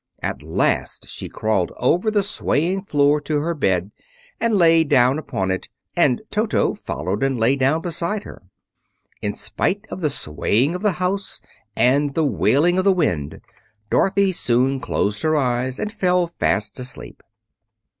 At last she crawled over the swaying floor to her bed, and lay down upon it; and Toto followed and lay down beside her. In spite of the swaying of the house and the wailing of the wind, Dorothy soon closed her eyes and fell fast asleep.